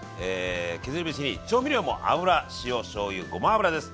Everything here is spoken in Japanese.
削り節に調味料も油・塩・しょうゆごま油です。